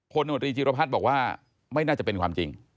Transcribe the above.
คนนโมนตรีจีรพรรดิบอกว่าไม่น่าจะเป็นความจริง